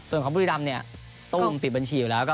ส่วนของบุรีรำต้องปิดบัญชีอยู่แล้ว